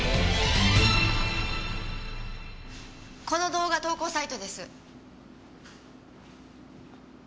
この動画投稿サイトです。